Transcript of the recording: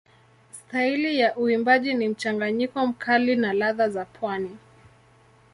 Staili ya uimbaji ni mchanganyiko mkali na ladha za pwani.